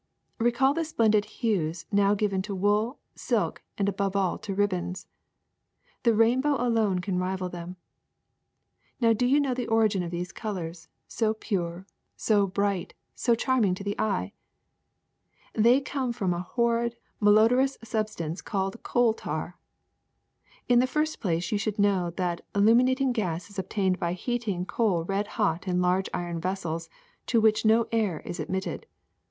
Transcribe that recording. Recall the splendid hues now given to wool, silk, and above all to ribbons. The rainbow alone can rival them. Now do you know the origin of these colors, so pure, so bright, so charming to the eye ? They come from a horrid, malodorous substance called coal tar. *'In the first place you should know that illuminat ing gas is obtained by heating coal red hot, in large iron vessels to which no air is admitted.